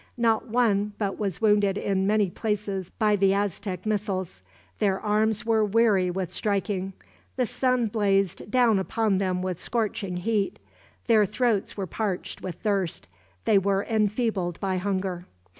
Not one but was wounded in many places by the Aztec missiles. Their arms were weary with striking. The sun blazed down upon them with scorching heat. Their throats were parched with thirst. They were enfeebled by hunger.